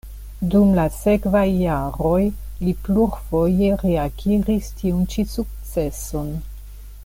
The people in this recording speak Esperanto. Dum la sekvaj jaroj li plurfoje reakiris tiun ĉi sukceson.